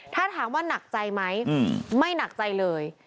ถ้าถามว่าหนักใจไหมไม่หนักใจเลย